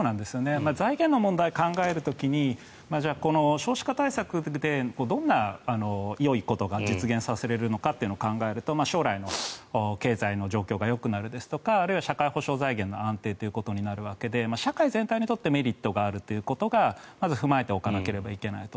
財源の問題を考える時にじゃあ、少子化対策でどんなよいことが実現させられるのかを考えると、将来の経済の状況がよくなるですとかあるいは社会保障財源の安定ということになるわけで社会全体にとってメリットがあるということがまず踏まえておかないといけないと。